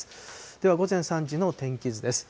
では午前３時の天気図です。